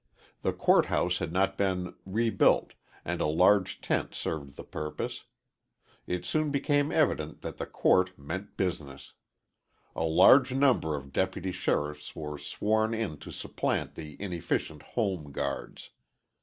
The court house had not been rebuilt and a large tent served the purpose. It soon became evident that the court meant business. A large number of deputy sheriffs were sworn in to supplant the inefficient Home Guards.